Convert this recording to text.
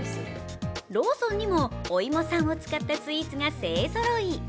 ローソンにもおいもさんを使ったスイーツが勢ぞろい。